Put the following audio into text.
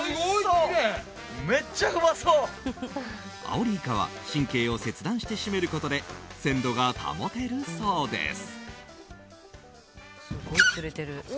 アオリイカは神経を切断して締めることで鮮度が保てるそうです。